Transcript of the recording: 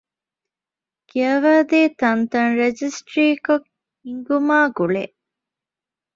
ކިޔަވައިދޭ ތަންތަން ރަޖިސްޓްރީ ކޮށް ހިންގުމާ ގުޅޭ